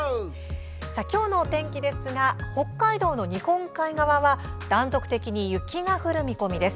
今日のお天気ですが北海道の日本海側は断続的に雪が降る見込みです。